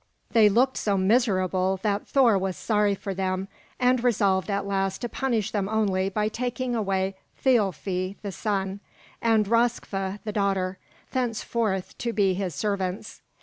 They looked so miserable that Thor was sorry for them, and resolved at last to punish them only by taking away Thialfi, the son, and Röskva, the daughter, thenceforth to be his servants.